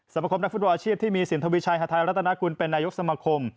คมนักฟุตบอลอาชีพที่มีสินทวีชัยฮาไทยรัฐนากุลเป็นนายกสมคม